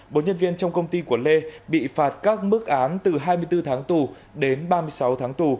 bốn nhân viên trong công ty của lê bị phạt các mức án từ hai mươi bốn tháng tù đến ba mươi sáu tháng tù